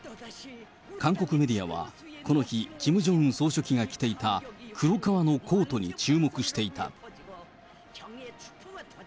韓国メディアはこの日、キム・ジョンウン総書記が着ていた黒革のコートに注目していた。